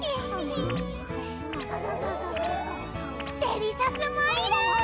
デリシャスマイル！